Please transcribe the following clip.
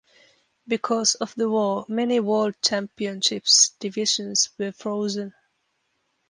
Because of the war many world championship divisions were frozen.